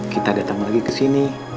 kita datang lagi kesini